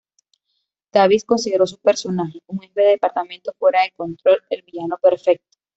Davies consideró su personaje, "un jefe de departamento fuera de control", el villano perfecto.